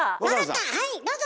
はいどうぞ！